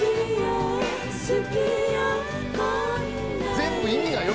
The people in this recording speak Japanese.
全部意味が。